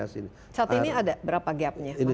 saat ini ada berapa gapnya